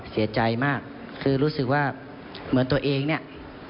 เสียใจมากคือรู้สึกว่าเหมือนตัวเองเนี่ย